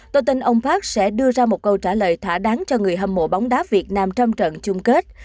tôi tin ông park sẽ đưa ra một câu trả lời thỏa đáng cho người hâm mộ bóng đá việt nam trong trận chung kết